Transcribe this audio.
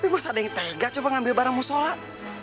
hai masa ada yang tega coba ngambil barang mushollah